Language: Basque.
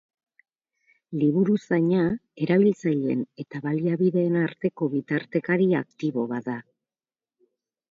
Liburuzaina erabiltzaileen eta baliabideen arteko bitartekari aktibo bat da.